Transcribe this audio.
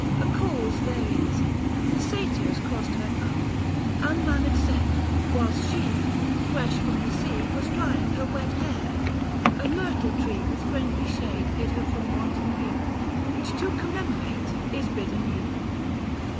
A cause there is, the Satyrs crossed her path— 155 Unmanner'd set, whilst she, fresh from the sea, Was drying her wet hair. A myrtle tree With friendly shade hid her from wanton view, Which to commemorate is bidden you.